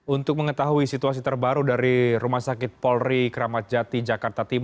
untuk mengetahui situasi terbaru dari rumah sakit polri kramat jati jakarta